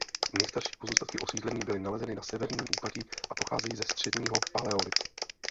Nejstarší pozůstatky osídlení byly nalezeny na severním úpatí a pocházejí ze středního paleolitu.